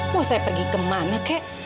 mau saya pergi kemana kek